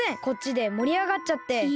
こっちでもりあがっちゃって。